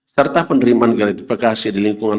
serta penerimaan gratifikasi di lingkungan